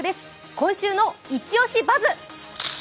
「今週のイチオシバズ！」